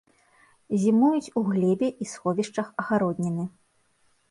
Зімуюць у глебе і сховішчах агародніны.